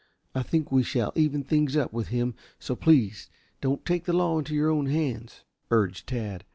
"I think we shall even things up with him, so please don't take the law into your own hands," urged Tad.